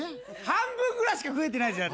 半分ぐらいしか食えてない。